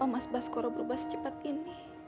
mas basokoro jangan